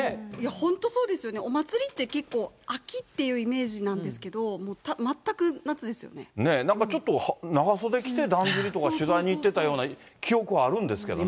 本当そうですよね、お祭りって結構、秋っていうイメージなんですけど、なんかちょっと、長袖着て、だんじりとか取材に行ってたように記憶あるんですけどね。